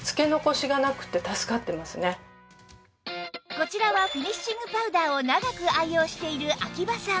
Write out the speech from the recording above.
こちらはフィニッシングパウダーを長く愛用している秋場さん